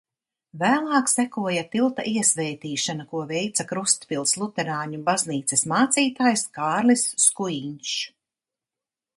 Vēlāk sekoja tilta iesvētīšana, ko veica Krustpils luterāņu baznīcas mācītājs Kārlis Skujiņš.